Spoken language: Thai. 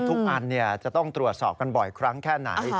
อันจะต้องตรวจสอบกันบ่อยครั้งแค่ไหน